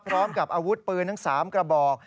พร้อมกับอาวุธปืนทั้ง๓กระบอก